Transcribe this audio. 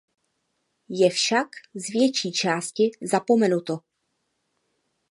Je však z větší části zapomenuto.